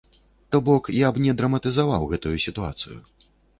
То бок, я б не драматызаваў гэтую сітуацыю.